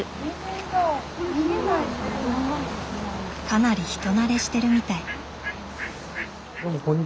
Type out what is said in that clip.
かなり人慣れしてるみたい。